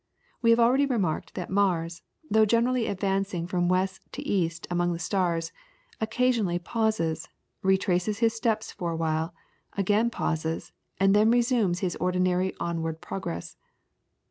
We have already remarked that Mars, though generally advancing from west to east among the stars, occasionally pauses, retraces his steps for awhile, again pauses, and then resumes his ordinary onward progress.